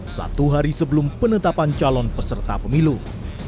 satu hari sebelum penetapan calon peserta pemilu